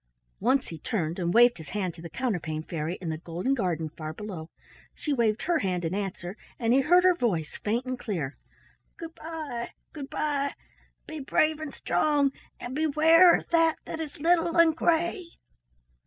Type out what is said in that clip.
Once he turned and waved his hand to the Counterpane Fairy in the golden garden far below. She waved her hand in answer, and he heard her voice faint and clear. "Good bye! Good bye! Be brave and strong, and beware of that that is little and gray."